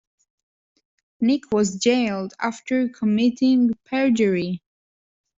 Nick was jailed after committing perjury